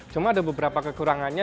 cuma ada beberapa kekurangannya